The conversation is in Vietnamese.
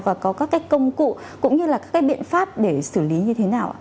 và có các cái công cụ cũng như là các cái biện pháp để xử lý như thế nào ạ